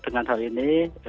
dengan hal ini